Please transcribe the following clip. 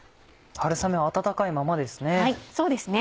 春雨温かいままですね。